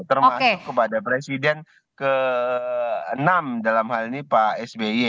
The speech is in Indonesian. termasuk kepada presiden ke enam dalam hal ini pak sby